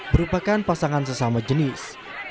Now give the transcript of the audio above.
merupakan pasangan sesama jenis